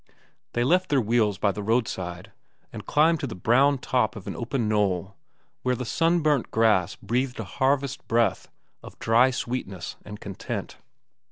They left their wheels by the roadside and climbed to the brown top of an open knoll where the sunburnt grass breathed a harvest breath of dry sweetness and content.